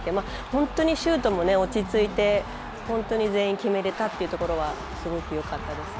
本当にシュートも落ち着いて全員決めたというところはすごくよかったですね。